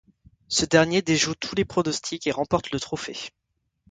Ce dernier déjoue tous les pronostics et remporte le trophée.